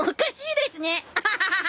アハハハハ！